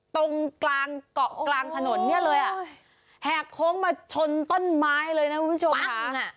ตรงเกาะกลางถนนนี่เลยอ่ะแหกโครงมาชนต้นไม้เลยนะคุณผู้ชมค่ะป๊า๊ก